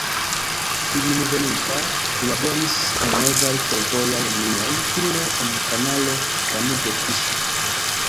Hejmenveninta li laboris en novaj fervojaj linioj, fine en kanalo Danubo-Tiso.